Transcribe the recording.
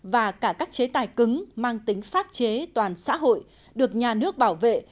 và cả các chế tài cứng mang tính pháp chế toàn xã hội được nhà nước bảo vệ